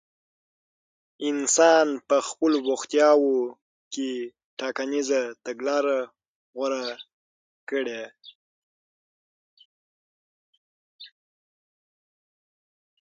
انسان په خپلو بوختياوو کې ټاکنيزه تګلاره غوره کړي.